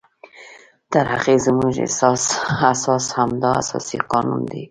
تر هغې زمونږ اساس همدا اساسي قانون دی